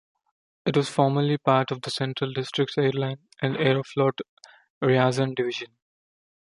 It was formerly part of the Central Districts Airlines and Aeroflot Ryazan division.